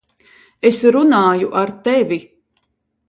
Es runāju ar tevi!